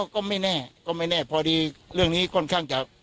ก็ไม่แน่ก็ไม่แน่พอดีเรื่องนี้ค่อนข้างจะ